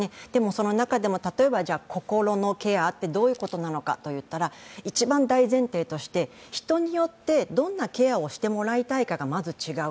その中でも心のケアってどういうことなのかといったら、一番大前提として人によって、どんなケアをしてもらいたいかがまず違う。